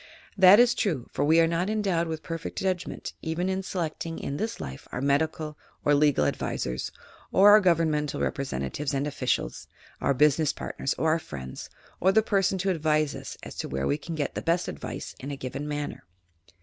"That is true, for we are not endowed with perfect judgment even in selecting in this life our medical or legal ad visors, or our governmental representatives and officials, our business partners or our friends, or the person to advise us as to where we can get the best advice in a given matter.